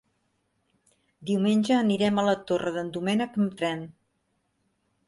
Diumenge anirem a la Torre d'en Doménec amb tren.